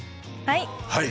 はい。